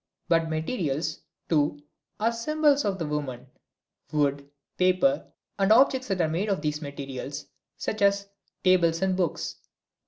But materials, too, are symbols of the woman wood, paper, and objects that are made of these materials, such as tables and books.